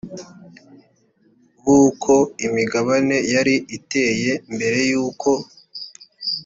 b uko imigabane yari iteye mbere y uko